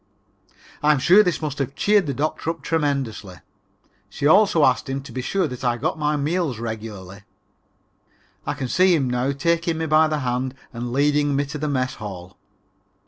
I am sure this must have cheered the doctor up tremendously. She also asked him to be sure to see that I got my meals regularly. I can see him now taking me by the hand and leading me to the mess hall.